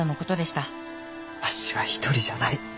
わしは一人じゃない。